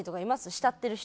慕ってる人。